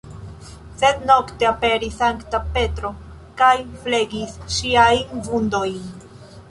Sed nokte aperis Sankta Petro kaj flegis ŝiajn vundojn.